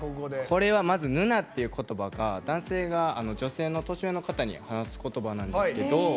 これは、まずヌナって言葉が男性が女性の年上の方に話す言葉なんですけど。